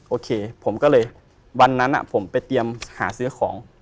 โอเคผมก็เลยวันนั้นผมไปเตรียมหาซื้อของ